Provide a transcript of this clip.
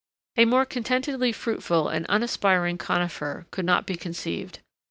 A more contentedly fruitful and unaspiring conifer could not be conceived.